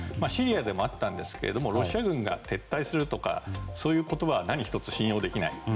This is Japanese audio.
シリアでもあったんですけれどもロシア軍が撤退するとか、そういう言葉は何一つ信用できない。